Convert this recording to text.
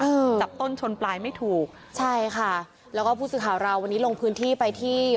จับต้นชนปลายไม่ถูกใช่ค่ะแล้วก็ผู้สื่อข่าวเราวันนี้ลงพื้นที่ไปที่